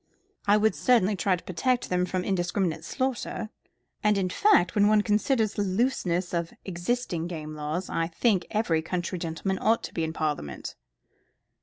"I would certainly try to protect them from indiscriminate slaughter. And in fact, when one considers the looseness of existing game laws, I think every country gentleman ought to be in Parliament."